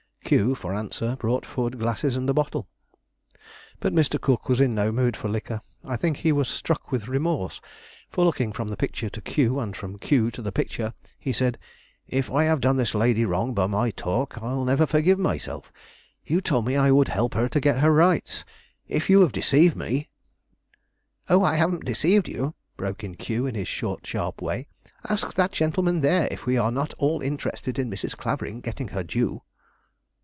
Q, for answer, brought forward glasses and a bottle. But Mr. Cook was in no mood for liquor. I think he was struck with remorse; for, looking from the picture to Q, and from Q to the picture, he said: "If I have done this lady wrong by my talk, I'll never forgive myself. You told me I would help her to get her rights; if you have deceived me " "Oh, I haven't deceived you," broke in Q, in his short, sharp way. "Ask that gentleman there if we are not all interested in Mrs. Clavering getting her due."